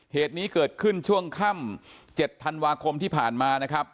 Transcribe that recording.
เหตุนี้เกิดขึ้นช่วงค่ำ๗ธันวาคมที่ผ่านมานะครับ